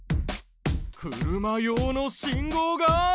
車用の信号が低い！？